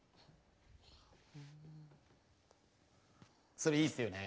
それいいっすよね。